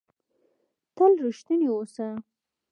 تل ریښتونی اووسه!